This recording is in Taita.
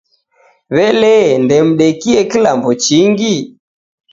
W'ele ndemdekie kilambo chingi?